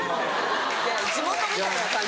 地元みたいな感じで。